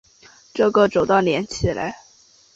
这个走道连起来